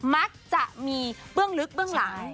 มักจะมีเบื้องลึกเบื้องหลัง